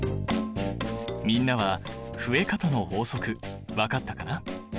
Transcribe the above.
みんなは増え方の法則分かったかな？